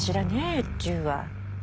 越中は。